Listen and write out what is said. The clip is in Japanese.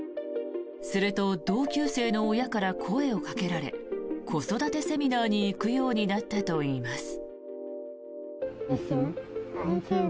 すると同級生の親から声をかけられ子育てセミナーに行くようになったといいます。